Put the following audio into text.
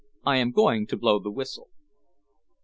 I am going to blow the whistle."